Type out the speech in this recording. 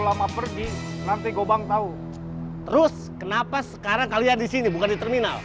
lama pergi nanti gobang tahu terus kenapa sekarang kalian di sini bukan di terminal